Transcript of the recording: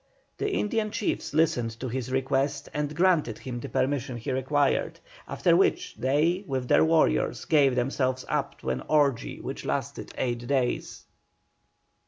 The Indian chiefs listened to his request and granted him the permission he required, after which they, with their warriors, gave themselves up to an orgy which lasted eight days.